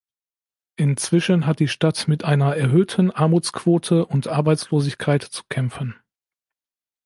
Inzwischen hat die Stadt mit einer erhöhten Armutsquote und Arbeitslosigkeit zu kämpfen.